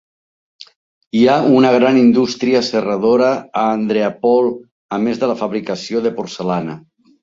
Hi ha una gran indústria serradora a Andreapol, a més de la fabricació de porcellana.